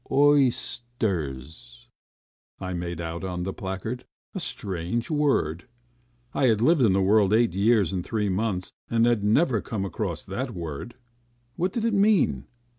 "Oysters ..." I made out on the placard. A strange word! I had lived in the world eight years and three months, but had never come across that word. What did it mean?